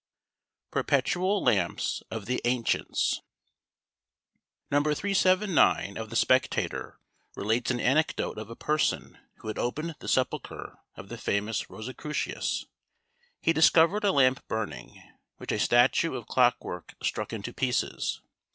PERPETUAL LAMPS OF THE ANCIENTS. No. 379 of the Spectator relates an anecdote of a person who had opened the sepulchre of the famous Rosicrucius. He discovered a lamp burning, which a statue of clock work struck into pieces.